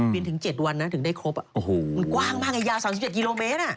ถึง๗วันนะถึงได้ครบมันกว้างมากไงยาว๓๗กิโลเมตร